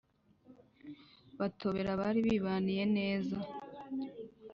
Batobera abari bibaniye neza